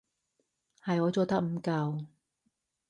係我做得唔夠